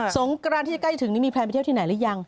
งกรานที่จะใกล้ถึงนี่มีแพลนไปเที่ยวที่ไหนหรือยัง